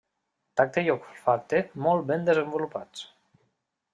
Tacte i olfacte molt ben desenvolupats.